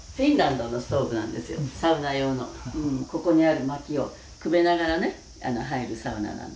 「ここにある薪をくべながらね入るサウナなんです」